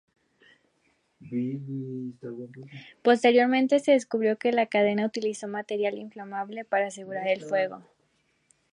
Posteriormente se descubrió que la cadena utilizó material inflamable para asegurar el fuego.